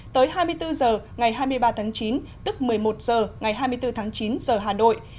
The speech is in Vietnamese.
tới hai mươi bốn h ngày hai mươi ba tháng chín tức một mươi một h ngày hai mươi bốn tháng chín giờ hà nội